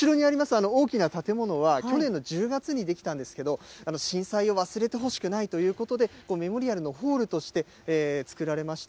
あの大きな建物は、去年の１０月に出来たんですけど、震災を忘れてほしくないということで、メモリアルのホールとして作られました。